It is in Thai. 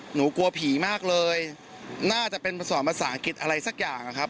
หนูกลัวผีมากเลยน่าจะเป็นภาษาอังกฤษอะไรสักอย่างนะครับ